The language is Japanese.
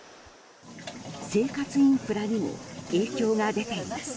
生活インフラにも影響がでています。